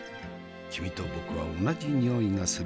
君と僕は同じ匂いがする。